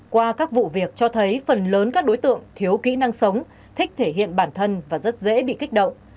qua các vụ việc cho thấy phần lớn các đối tượng thiếu kỹ năng sống thích thể hiện bản thân và rất dễ bị kích động